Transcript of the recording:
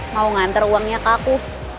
mau ngantar uangnya ke aku